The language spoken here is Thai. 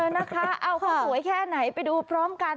นะคะเอาเขาสวยแค่ไหนไปดูพร้อมกัน